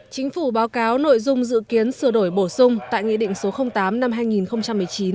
chính phủ báo cáo nội dung dự kiến sửa đổi bổ sung tại nghị định số tám năm hai nghìn một mươi chín